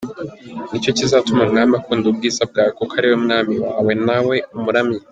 Ni cyo kizatuma umwami akunda ubwiza bwawe, Kuko ari we mwami wawe nawe umuramye.